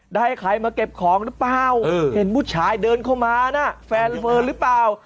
ได้ใครมาเก็บของหรือเปล่าเห็นผู้ชายเดินเข้ามาน่ะแฟนเมินหรือเปล่า